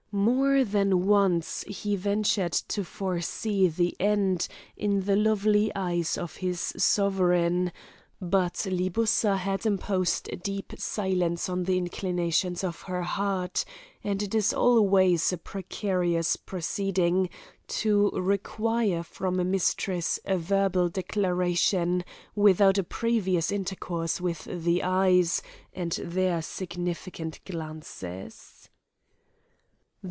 More than once he ventured to foresee the end in the lovely eyes of his sovereign, but Libussa had imposed a deep silence on the inclinations of her heart, and it is always a precarious proceeding to require from a mistress a verbal declaration without a previous intercourse with the eyes and their significant glances.